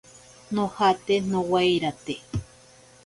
Nojate nowairate.